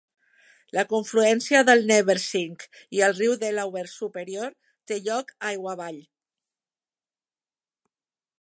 La confluència del Neversink i el riu Delaware superior té lloc aigua avall.